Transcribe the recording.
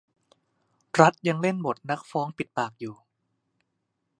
รัฐยังเล่นบทนักฟ้องปิดปากอยู่